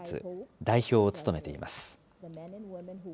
代表を務めています。